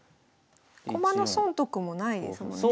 駒の損得もないですもんね。